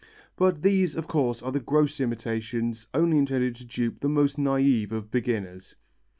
But these of course are the gross imitations only intended to dupe the most naïve of beginners.